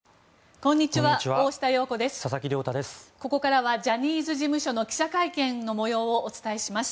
ここからはジャニーズ事務所の記者会見の模様をお伝えします。